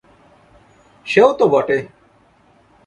সেও তো বটে।